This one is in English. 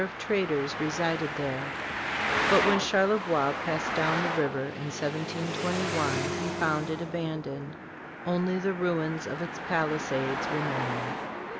of traders resided there; but when Charlevoix passed down the river in 1721 he found it abandoned, only the ruins of its palisades remaining.